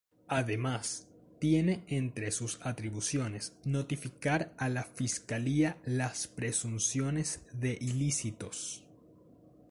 Además, tiene entre sus atribuciones notificar a la Fiscalía las presunciones de ilícitos.